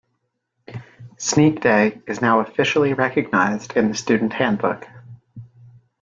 Sneak day is now officially recognized in the student handbook.